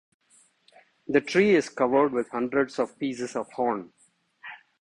The tree is covered with hundreds of pieces of horn.